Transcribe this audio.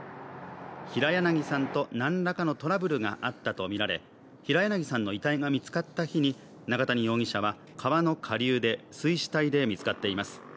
平柳さんと何らかのトラブルがあったとみられ平柳さんの遺体が見つかった火に中谷容疑者は川の下流で水死体で見つかっています。